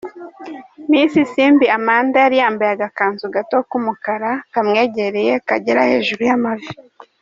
Miss Isimbi Amanda yari yambaye agakanzu gato k’umukara, kamwegereye, kageraga hejuru y’amavi.